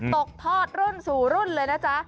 ตกทอดรุ่นสู่รุ่นเลยนะจ๊ะ